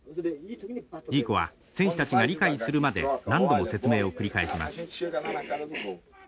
ジーコは選手たちが理解するまで何度も説明を繰り返します。